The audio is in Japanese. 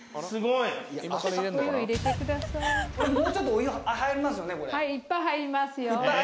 いっぱい入りますよね。